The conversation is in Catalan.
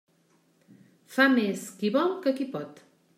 Fa més qui vol que qui pot.